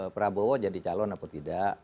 prabowo jadi calon apa tidak